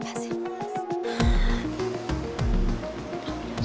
apa sih mas